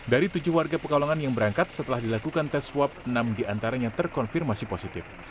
dari tujuh warga pekalongan yang berangkat setelah dilakukan tes swab enam diantaranya terkonfirmasi positif